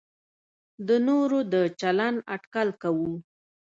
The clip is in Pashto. د نورو د چلند اټکل کوو.